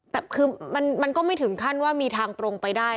แต่คือมันก็ไม่ถึงขั้นว่ามีทางตรงไปได้